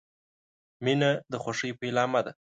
• مینه د خوښۍ پیلامه ده.